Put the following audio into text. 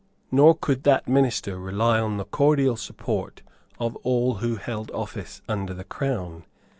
Nor could that minister rely on the cordial support of all who held office under the Crown.